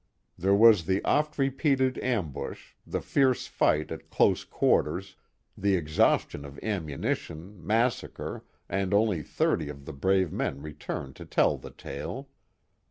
There was the oft repeated ambush, the fierce fight at close quarters, the exhaustion of ammunilion, massacre, and only thirty of the brave men re turned to tell the tale.